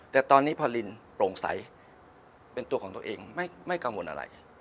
แต่ตอนนี้พอลินโปร่งใสเป็นตัวของตัวเองไม่กังวลอะไร